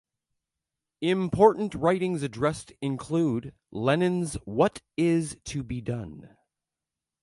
Important writings addressed include Lenin's What Is to Be Done?